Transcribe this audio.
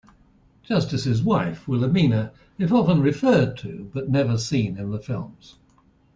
Justice's wife, Wilhelmina, if often referred to but never seen in the films.